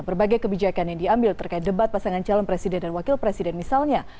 berbagai kebijakan yang diambil terkait debat pasangan calon presiden dan wakil presiden misalnya